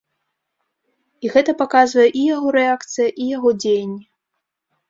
І гэта паказвае і яго рэакцыя, і яго дзеянні.